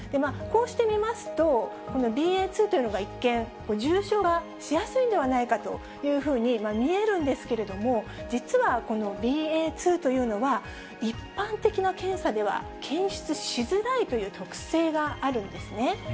こうして見ますと、このＢＡ．２というのが一見、重症化しやすいんではないかというふうに見えるんですけれども、実はこのＢＡ．２というのは、一般的な検査では検出しづらいという特性があるんですね。